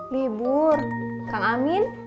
libur kang amin